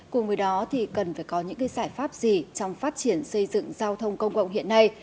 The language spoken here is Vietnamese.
cùng với đó thì cần phải có những giải pháp gì trong phát triển xây dựng giao thông công cộng hiện nay